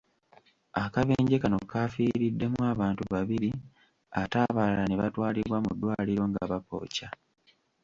Akabenje kano kaafiiriddemu abantu babiri ate abalala ne batwalibwa mu ddwaliro nga bapooca.